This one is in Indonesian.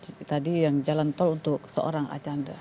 untuk memberikan tadi yang jalan tol untuk seorang asyanda